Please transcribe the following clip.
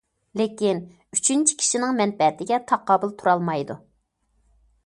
لېكىن ئۈچىنچى كىشىنىڭ مەنپەئەتىگە تاقابىل تۇرالمايدۇ.